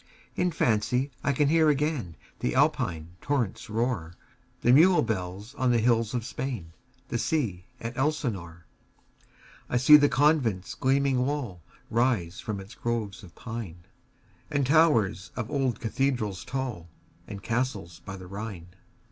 In fancy I can hear again The Alpine torrent's roar, The mule bells on the hills of Spain, 15 The sea at Elsinore. I see the convent's gleaming wall Rise from its groves of pine, And towers of old cathedrals tall, And castles by the Rhine.